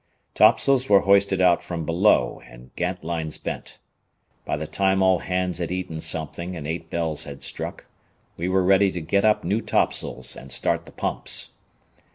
Topsails were hoisted out from below and gantlines bent. By the time all hands had eaten something and eight bells had struck, we were ready to get up new topsails and start the pumps.